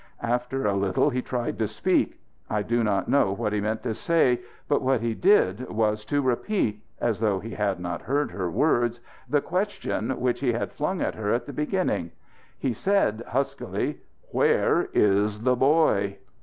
After a little he tried to speak. I do not know what he meant to say. But what he did was to repeat as though he had not heard her words the question which he had flung at her in the beginning. He said huskily: "Where is the boy?"